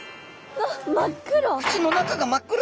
わっ真っ黒！